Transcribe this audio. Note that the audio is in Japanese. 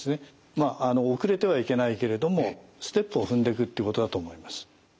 まあ遅れてはいけないけれどもステップを踏んでくってことだと思います。